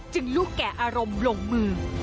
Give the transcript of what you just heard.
ลูกแก่อารมณ์ลงมือ